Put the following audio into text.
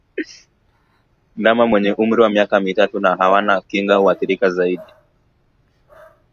Ndama wenye umri wa miaka mitatu na hawana kinga huathirika zaidi